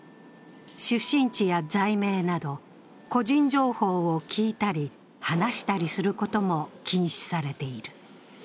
出身地や罪名など個人情報を聞いたり、話したりすることも禁止されている。